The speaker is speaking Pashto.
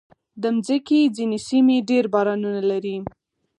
د مځکې ځینې سیمې ډېر بارانونه لري.